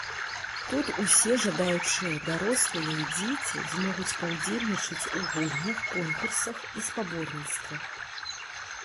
Тут усе жадаючыя дарослыя і дзеці змогуць паўдзельнічаць у гульнях, конкурсах і спаборніцтвах.